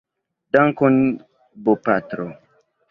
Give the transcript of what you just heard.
Dankon bopatro.